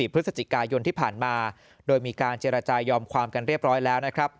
พฤศจิกายนที่ผ่านมาโดยมีการเจรจายอมความกันเรียบร้อยแล้วนะครับ